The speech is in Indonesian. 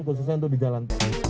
khususnya untuk di jalan